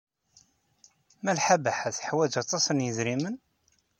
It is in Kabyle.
Malḥa Baḥa teḥwaj aṭas n yidrimen?